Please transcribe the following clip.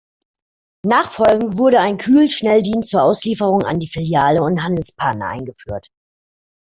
Nachfolgend wurde ein Kühl-Schnelldienst zur Auslieferung an die Filialen und Handelspartner eingeführt.